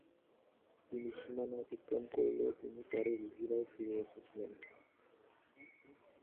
তিনি সীমানা অতিক্রম করলেও তিনি পরে রুহিয়ায় ফিরে এসেছিলেন।